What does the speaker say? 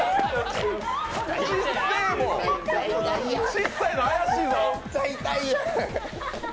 小さいの怪しいぞ。